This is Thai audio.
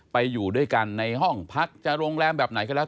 อยู่ด้วยกันในห้องพักจะโรงแรมแบบไหนก็แล้ว